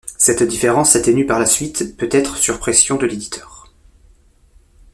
Cette différence s'atténue par la suite, peut-être sur pression de l'éditeur.